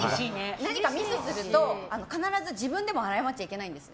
何かミスをすると必ず自分から謝っちゃいけないんです。